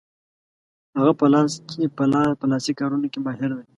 هغه په لاسي کارونو کې ماهر دی.